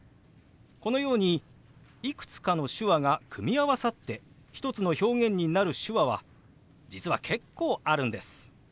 このようにいくつかの手話が組み合わさって一つの表現になる手話は実は結構あるんです。